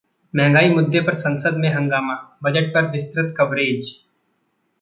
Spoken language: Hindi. महंगाई मुद्दे पर संसद में हंगामा । बजट पर विस्तृत कवरेज